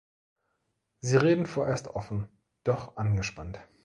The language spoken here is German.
Sie reden vorerst offen, doch angespannt.